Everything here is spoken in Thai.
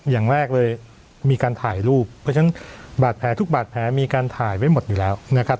อย่างแรกเลยมีการถ่ายรูปเพราะฉะนั้นบาดแผลทุกบาดแผลมีการถ่ายไว้หมดอยู่แล้วนะครับ